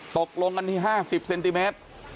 ตกลงกันที่๕๐เซนติเมตร